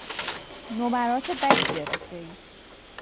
نمرات بدی گرفتهای.